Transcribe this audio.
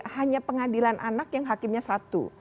hanya pengadilan anak yang hakimnya satu